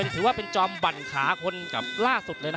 ถือว่าเป็นจอมบั่นขาคนกับล่าสุดเลยนะ